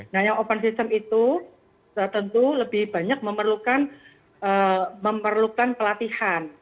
nah yang open system itu tentu lebih banyak memerlukan pelatihan